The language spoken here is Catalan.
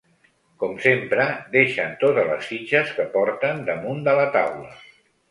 Com sempre, deixen totes les fitxes que porten damunt de la taula.